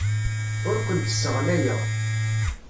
Ur kent-sseɣlayeɣ.